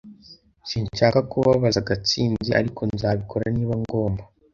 Sinshaka kubabaza Gatsinzi, ariko nzabikora niba ngomba.